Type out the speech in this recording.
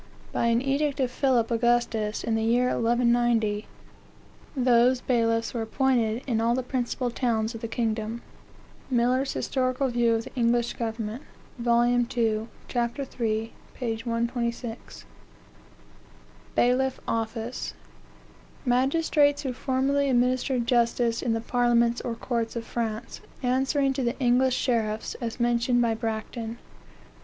By an edict of Phillip Augustus, in the year 1190, those bailiffs were appointed in all the principal towns of the kingdom." Millar's Hist. View of the Eng. Gov., vol. ii., ch. 8, p. 126. "BAILIFF office. Magistrates who formerly administered justice in the parliaments or courts of France, answering to the English sheriffs, as mentioned by Bracton."